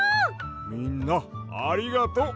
みんなありがとう！